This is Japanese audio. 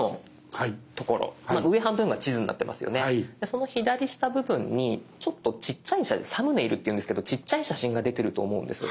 その左下部分にちょっとちっちゃい写真サムネイルっていうんですけどちっちゃい写真が出てると思うんです。